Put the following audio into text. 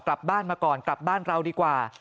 กลับบ้านมาก่อนกลับบ้านเราดีกว่า